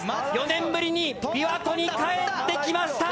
４年ぶりに琵琶湖に帰ってきました。